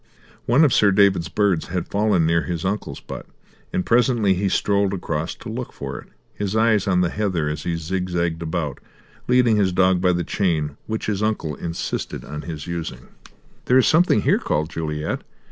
One of Sir David's birds had fallen near his uncle's butt, and presently he strolled across to look for it, his eyes on the heather as he zigzagged about, leading his dog by the chain which his uncle insisted on his using. "There is something here," called Juliet.